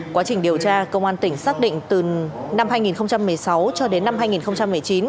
quá trình điều tra công an tỉnh xác định từ năm hai nghìn một mươi sáu cho đến năm hai nghìn một mươi chín